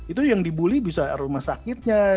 itu yang dibully bisa rumah sakitnya